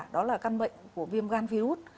đó là căn bệnh của viêm gan virus